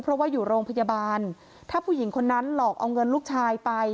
เพราะว่าอยู่โรงพยาบาลถ้าผู้หญิงคนนั้นหลอกเอาเงินลูกชายไป